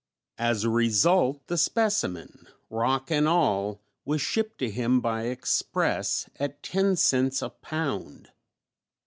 As a result, the specimen, rock and all, was shipped to him by express at ten cents a pound!